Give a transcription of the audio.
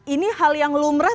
ini hal yang lumrah